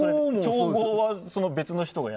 調合は別の人が。